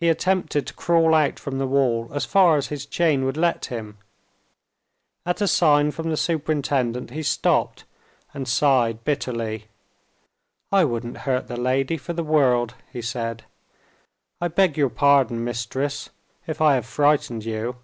He attempted to crawl out from the wall, as far as his chain would let him. At a sign from the superintendent he stopped, and sighed bitterly. "I wouldn't hurt the lady for the world," he said; "I beg your pardon, Mistress, if I have frightened you."